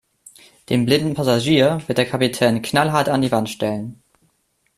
Den blinden Passagier wird der Kapitän knallhart an die Wand stellen.